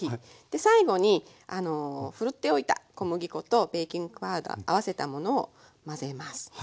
で最後にふるっておいた小麦粉とベーキングパウダー合わせたものを混ぜます。